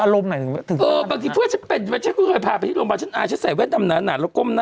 แล้วสุดท้ายก็คือต้องไปหาคุณหมอ